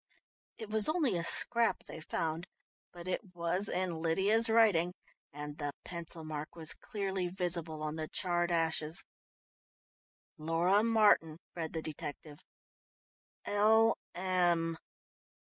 It was only a scrap they found, but it was in Lydia's writing, and the pencil mark was clearly visible on the charred ashes. "'Laura Martin,'" read the detective. "'L.M.